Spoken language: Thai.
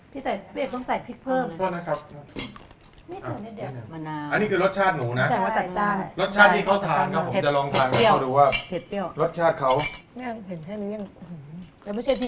พี่เอกต้องใส่พริกเพิ่ม